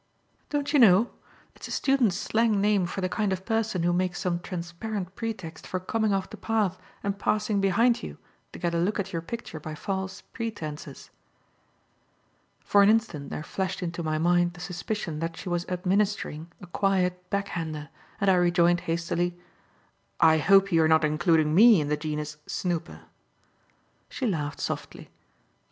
"Don't you know? It's a student's slang name for the kind of person who makes some transparent pretext for coming off the path and passing behind you to get a look at your picture by false pretences." For an instant there flashed into my mind the suspicion that she was administering a quiet "backhander", and I rejoined hastily: "I hope you are not including me in the genus 'snooper'." She laughed softly.